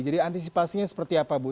jadi antisipasinya seperti apa bu